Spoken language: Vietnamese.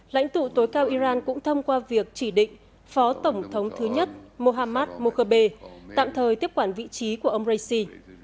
lãnh tụ tối cao iran cũng thông qua việc chỉ định phó tổng thống thứ nhất mohammad mokhebe tạm thời tiếp quản vị trí của ông raisi